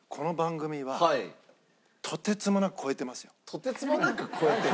「とてつもなく超えてる」？